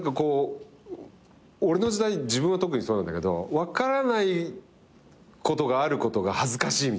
俺の時代自分は特にそうなんだけど分からないことがあることが恥ずかしいみたいな。